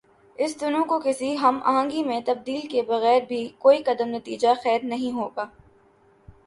اس تنوع کو کسی ہم آہنگی میں تبدیل کیے بغیربھی کوئی قدم نتیجہ خیز نہیں ہو گا۔